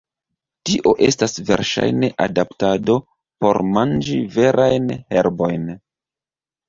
Tio estas verŝajne adaptado por manĝi verajn herbojn.